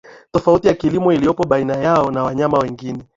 tofauti ya kimo iliyopo baina yao na wanyama wengine